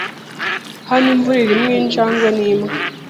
Hano imvura irimo injangwe nimbwa.